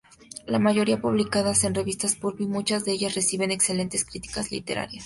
La mayoría publicadas en revistas pulp y muchas de ellas recibieron excelentes críticas literarias.